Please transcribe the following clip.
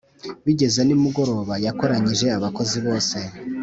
Bigeze nimugoroba, yakoranyije abakozi bose